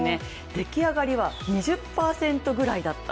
できあがりは２０％ぐらいだったと。